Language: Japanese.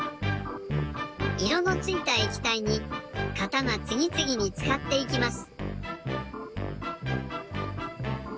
いろのついたえきたいに型がつぎつぎにつかっていきます。